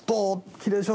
きれいでしょ？